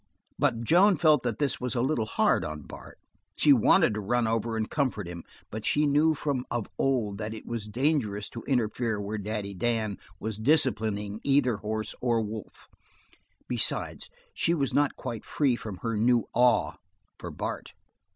But Joan felt that this was a little hard on Bart; she wanted to run over and comfort him, but she knew from of old that it was dangerous to interfere where Daddy Dan was disciplining either horse or wolf; besides, she was not quite free from her new awe for Bart.